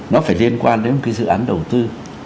nó phải liên quan đến một cái dự án đầu tư